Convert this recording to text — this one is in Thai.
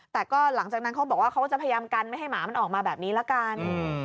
แต่ก็หลังจากนั้นเขาบอกว่าเขาก็จะพยายามกันไม่ให้หมามันออกมาแบบนี้ละกัน